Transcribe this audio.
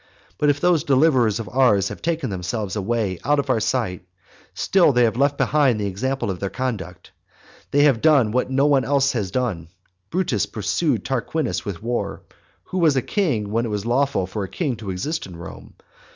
But if those deliverers of ours have taken themselves away out of our sight, still they have left behind the example of their conduct. They have done what no one else had done. Brutus pursued Tarquinius with war, who was a king when it was lawful for a king to exist in Rome.